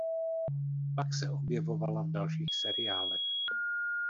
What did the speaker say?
Pak se objevovala v dalších seriálech.